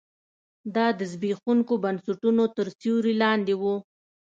دا د زبېښونکو بنسټونو تر سیوري لاندې و.